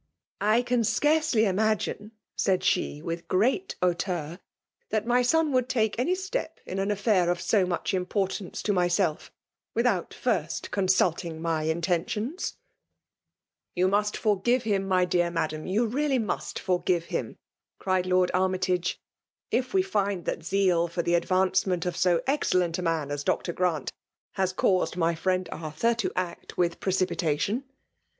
*' I can scarcely imagine, said Ae, with great hauteur, '' that my son would taike ai^ step in an affair of so much importaaoe to myseU; wi&out first consultiag my inten tions !^Tou must forgive him, my dear Madam* FEMALE) DOMINATION. 9h; you naSkj must forgh« him^'* ctied Loid Armytage^ — ^if we find that seal &r the ad vancement of so excellent a man as Dr. Grant has eaaiaed mj firiend Arthur to act with pfre dpitation."